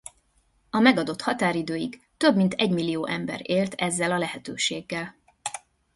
A megadott határidőig több mint egymillió ember élt ezzel a lehetőséggel.